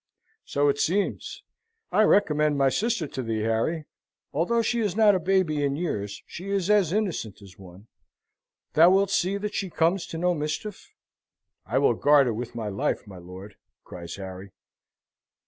"So it seems! I recommend my sister to thee, Harry. Although she is not a baby in years, she is as innocent as one. Thou wilt see that she comes to no mischief?" "I will guard her with my life, my lord!" cries Harry.